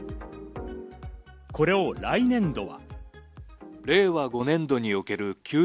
これを来年度は。